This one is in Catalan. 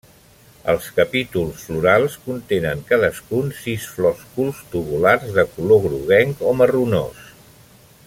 Els capítols florals contenen cadascun sis flòsculs tubulars de color groguenc o marronós.